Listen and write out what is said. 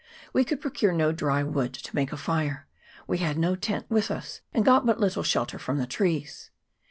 We could pro cure no dry wood to make a fire ; we had no tent with us, and got but little shelter from the trees.